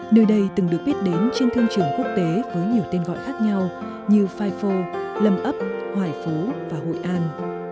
nơi đây từng được biết đến trên thương trường quốc tế với nhiều tên gọi khác nhau như phai phô lâm ấp hoài phố và hội an